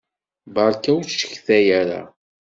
Beṛka ur ttcetkay ara!